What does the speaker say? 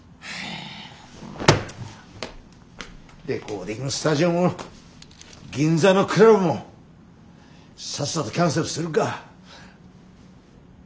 レコーディングスタジオも銀座のクラブもさっさとキャンセルするか。